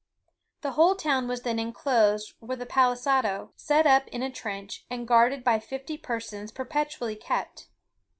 The whole town was then enclosed with a palisado set up in a trench, and a guard of fifty persons perpetually kept.